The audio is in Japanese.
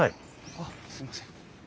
あっすいません。